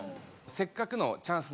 せっかくのチャンス